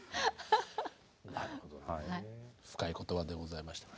深い言葉でございました。